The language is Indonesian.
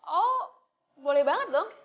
oh boleh banget dong